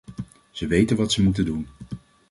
Ze weten wat ze moeten doen.